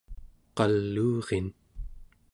qaluurin